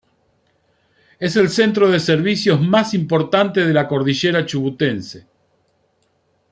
Es el centro de servicios más importante de la cordillera chubutense.